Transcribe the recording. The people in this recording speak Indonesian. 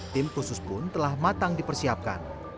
tim khusus pun telah matang dipersiapkan